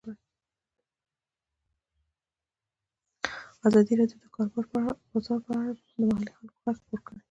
ازادي راډیو د د کار بازار په اړه د محلي خلکو غږ خپور کړی.